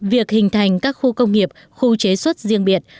việc hình thành các khu công nghiệp khu chế xuất riêng biệt